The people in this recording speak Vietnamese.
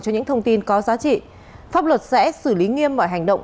cho những thông tin có giá trị pháp luật sẽ xử lý nghiêm mọi hành động